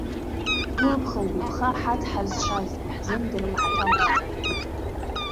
Улԥхаугәыԥха ҳаҭ ҳазшаз, иаҳзымдыруа ҳаҭанаумҵан.